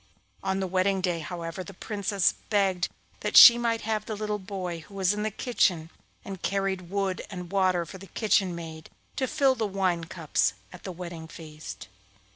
On the wedding day, however, the Princess begged that she might have the little boy who was in the kitchen, and carried wood and water for the kitchen maid, to fill the wine cups at the wedding feast.